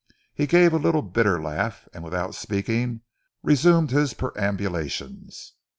He gave a little bitter laugh, and without speaking resumed his perambulations.